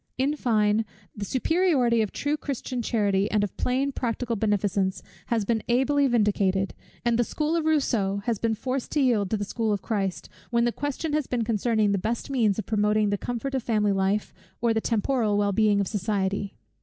In fine, the superiority of true Christian charity and of plain practical beneficence has been ably vindicated; and the school of Rousseau has been forced to yield to the school of Christ, when the question has been concerning the best means of promoting the comfort of family life, or the temporal well being of society.